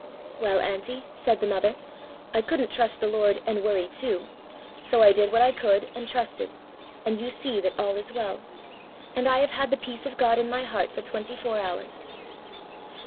'Well, auntie,' said the mother, 'I couldn't trust the Lord and worry too ; so I did what I could and trusted, and you see that all is well. And I have had the peace qf God in my heart for twenty four hours.